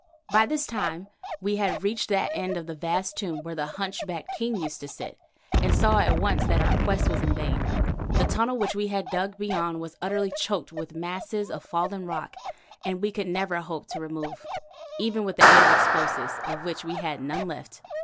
By this time we had reached that end of the vast tomb where the hunchbacked king used to sit, and saw at once that our quest was vain. The tunnel which we had dug beyond was utterly choked with masses of fallen rock that we could never hope to move, even with the aid of explosives, of which we had none left.